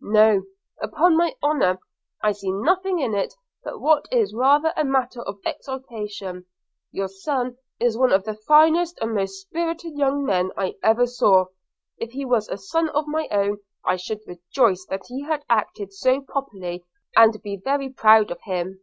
'No, upon my honour! I see nothing in it but what is rather a matter of exultation. Your son is one of the finest and most spirited young men I ever saw. If he was a son of my own, I should rejoice that he had acted so properly, and be very proud of him.'